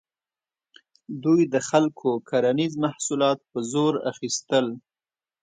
دوی د خلکو کرنیز محصولات په زور اخیستل.